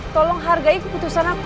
tolong hargai keputusan aku